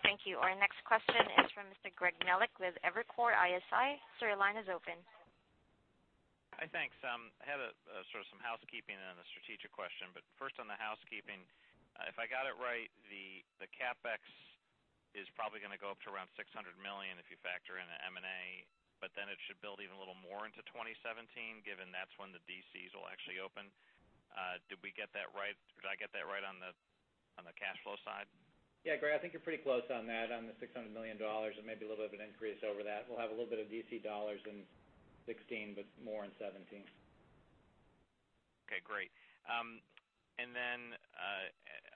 Thank you. Our next question is from Mr. Greg Melich with Evercore ISI. Sir, your line is open. Hi, thanks. I had some housekeeping and a strategic question. First on the housekeeping, if I got it right, the CapEx is probably going to go up to around $600 million if you factor in the M&A, but then it should build even a little more into 2017, given that's when the DCs will actually open. Did I get that right on the cash flow side? Greg, I think you're pretty close on that, on the $600 million and maybe a little bit of an increase over that. We'll have a little bit of DC dollars in 2016, but more in 2017. Okay, great.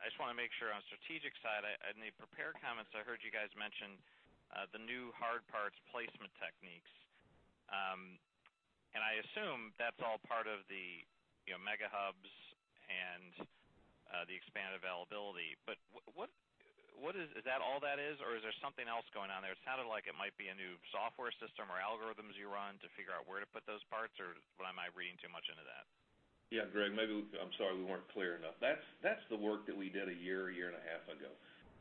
I just want to make sure on strategic side, in the prepared comments, I heard you guys mention the new hard parts placement techniques. I assume that's all part of the Mega Hubs and the expanded availability. Is that all that is, or is there something else going on there? It sounded like it might be a new software system or algorithms you run to figure out where to put those parts, or am I reading too much into that? Greg, I'm sorry we weren't clear enough. That's the work that we did a year, a year and a half ago,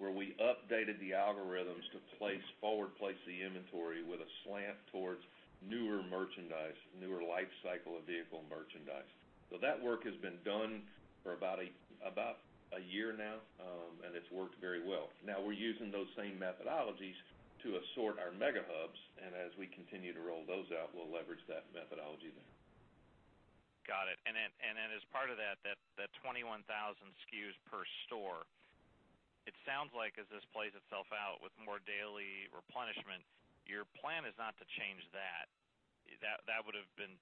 where we updated the algorithms to forward place the inventory with a slant towards newer merchandise, newer life cycle of vehicle merchandise. That work has been done for about a year now, and it's worked very well. Now we're using those same methodologies to assort our Mega Hubs, and as we continue to roll those out, we'll leverage that methodology there. Got it. As part of that 21,000 SKUs per store, it sounds like as this plays itself out with more daily replenishment, your plan is not to change that. That would have been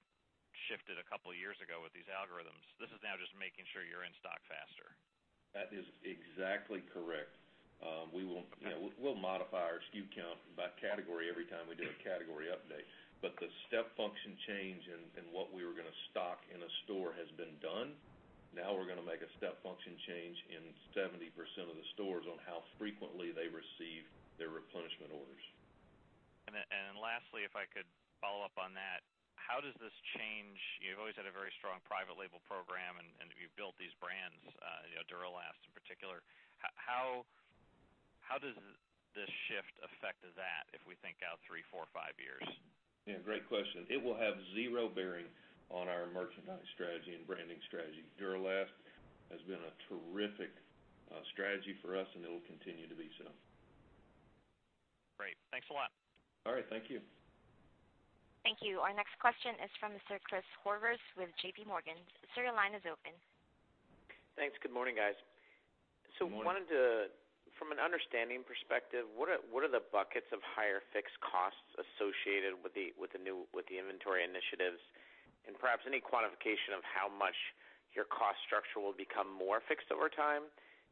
shifted a couple of years ago with these algorithms. This is now just making sure you're in stock faster. That is exactly correct. We'll modify our SKU count by category every time we do a category update, but the step function change in what we were going to stock in a store has been done. Now we're going to make a step function change in 70% of the stores on how frequently they receive their replenishment orders. Lastly, if I could follow up on that, how does this change, you've always had a very strong private label program and you've built these brands, Duralast in particular. How does this shift affect that if we think out three, four, five years? Yeah, great question. It will have zero bearing on our merchandise strategy and branding strategy. Duralast has been a terrific strategy for us, and it will continue to be so. Great. Thanks a lot. All right. Thank you. Thank you. Our next question is from Christopher Horvers with JPMorgan. Sir, your line is open. Thanks. Good morning, guys. Good morning. Wanted to, from an understanding perspective, what are the buckets of higher fixed costs associated with the inventory initiatives? Perhaps any quantification of how much your cost structure will become more fixed over time,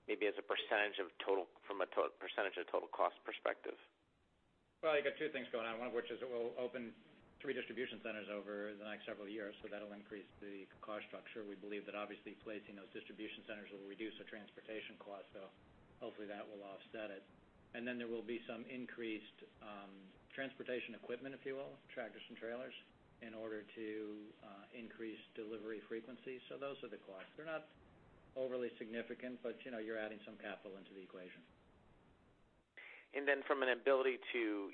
maybe from a % of total cost perspective. You got two things going on, one of which is we'll open three distribution centers over the next several years, that'll increase the cost structure. We believe that obviously placing those distribution centers will reduce the transportation cost, hopefully that will offset it. There will be some increased transportation equipment, if you will, tractors and trailers, in order to increase delivery frequency. Those are the costs. They're not overly significant, but you're adding some capital into the equation. From an ability to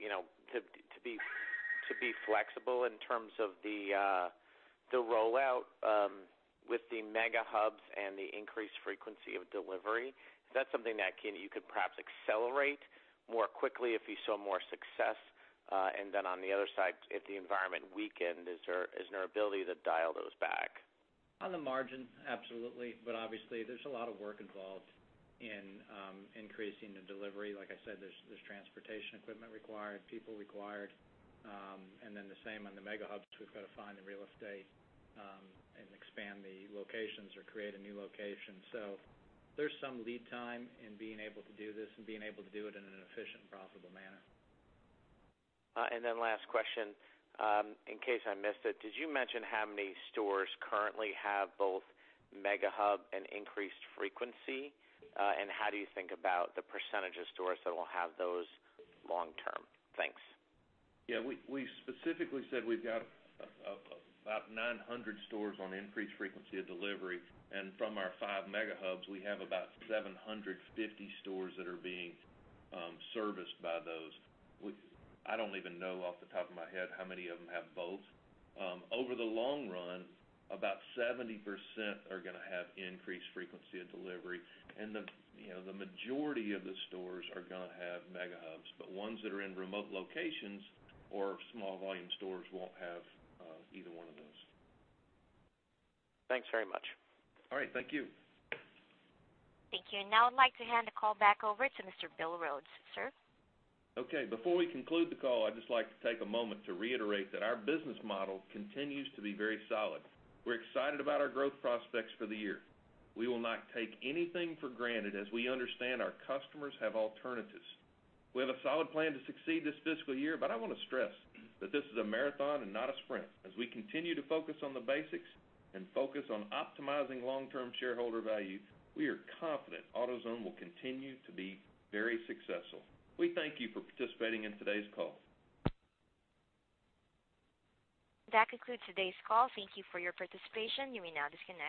be flexible in terms of the rollout with the Mega Hubs and the increased frequency of delivery, is that something that you could perhaps accelerate more quickly if you saw more success? On the other side, if the environment weakened, is there an ability to dial those back? On the margin, absolutely. Obviously, there's a lot of work involved in increasing the delivery. Like I said, there's transportation equipment required, people required. The same on the Mega Hubs. We've got to find the real estate and expand the locations or create a new location. There's some lead time in being able to do this and being able to do it in an efficient and profitable manner. Last question, in case I missed it, did you mention how many stores currently have both Mega Hub and increased frequency? How do you think about the percentage of stores that will have those long term? Thanks. We specifically said we've got about 900 stores on increased frequency of delivery. From our five Mega Hubs, we have about 750 stores that are being serviced by those. I don't even know off the top of my head how many of them have both. Over the long run, about 70% are going to have increased frequency of delivery, and the majority of the stores are going to have Mega Hubs. Ones that are in remote locations or small volume stores won't have either one of those. Thanks very much. All right. Thank you. Thank you. Now I'd like to hand the call back over to Mr. Bill Rhodes, sir. Okay. Before we conclude the call, I'd just like to take a moment to reiterate that our business model continues to be very solid. We're excited about our growth prospects for the year. We will not take anything for granted as we understand our customers have alternatives. We have a solid plan to succeed this fiscal year, but I want to stress that this is a marathon and not a sprint. As we continue to focus on the basics and focus on optimizing long-term shareholder value, we are confident AutoZone will continue to be very successful. We thank you for participating in today's call. That concludes today's call. Thank you for your participation. You may now disconnect.